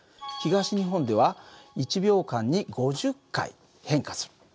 東日本では１秒間に５０回変化する。